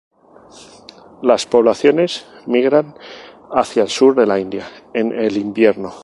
Las poblaciones migran hacia el sur de la India en el invierno.